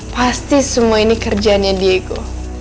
pasti semua ini kerjaannya diego